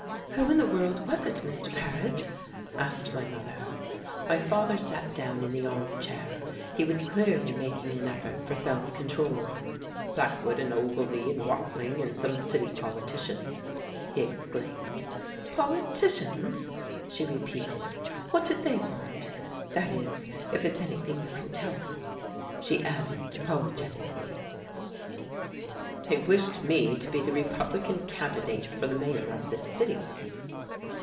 "Who in the world was it, Mr. Paret?" asked my mother. My father sat down in the arm chair. He was clearly making an effort for self control. "Blackwood and Ogilvy and Watling and some city politicians," he exclaimed. "Politicians!" she repeated. "What did they want? That is, if it's anything you can tell me," she added apologetically. "They wished me to be the Republican candidate for the mayor of this city."